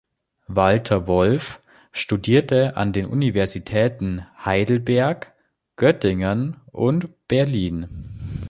Walter Wolf studierte an den Universitäten Heidelberg, Göttingen und Berlin.